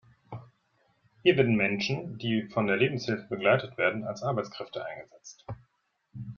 Hier werden Menschen, die von der Lebenshilfe begleitet werden, als Arbeitskräfte eingesetzt.